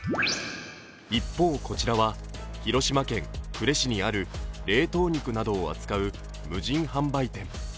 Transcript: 一方、こちらは広島県呉市にある冷凍肉などを扱う無人販売店。